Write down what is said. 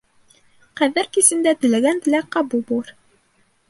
Ҡәҙер кисендә теләгән теләк ҡабул булыр.